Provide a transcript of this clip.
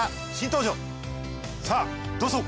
さぁどうぞ！